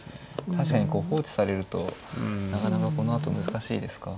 確かにこう放置されるとなかなかこのあと難しいですか。